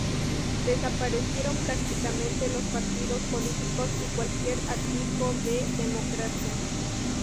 Desaparecieron prácticamente los partidos políticos y cualquier atisbo de democracia.